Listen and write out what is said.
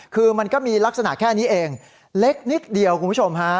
คือมันก็มีลักษณะแค่นี้เองเล็กนิดเดียวคุณผู้ชมฮะ